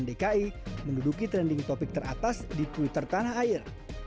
dki menduduki trending topik teratas di twitter tanah air